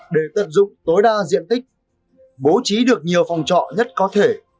để tận dụng tối đa diện tích bố trí được nhiều phòng trọ nhất có thể